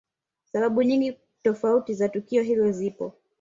Sababu nyingi tofauti za tukio hilo zipo